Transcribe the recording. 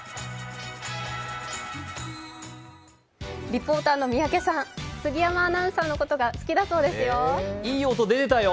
リポーターの三宅さん、杉山アナウンサーのことがいい音出てたよ。